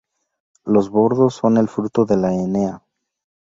Los bordos son el fruto de la enea.